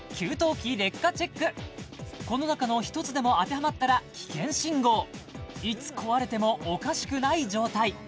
この中の１つでも当てはまったら危険信号いつ壊れてもおかしくない状態